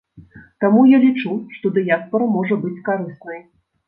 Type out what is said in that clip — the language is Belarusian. Таму я лічу, што дыяспара можа быць карыснай.